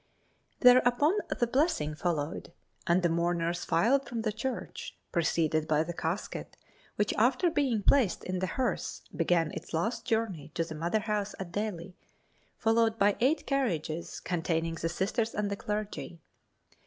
Thereupon the blessing followed, and the mourners filed from the church, preceded by the casket, which after being placed in the hearse, began its last journey to the mother house at Delhi, followed by eight carriages containing the Sisters and the clergy.